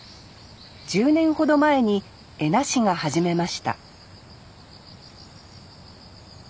１０年ほど前に恵那市が始めました